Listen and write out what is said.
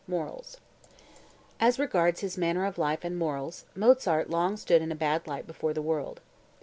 MORALS As regards his manner of life and morals Mozart long stood in a bad light before the world.